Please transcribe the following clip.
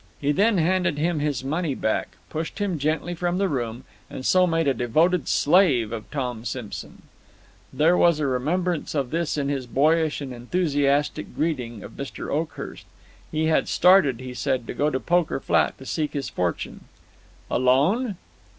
He then handed him his money back, pushed him gently from the room, and so made a devoted slave of Tom Simson. There was a remembrance of this in his boyish and enthusiastic greeting of Mr. Oakhurst. He had started, he said, to go to Poker Flat to seek his fortune. "Alone?"